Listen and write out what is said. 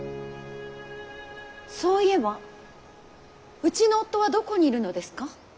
そういえばうちの夫はどこにいるのですか。